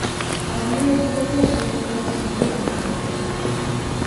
A familia do Ponteceso chora o pasamento do pequeno Brais.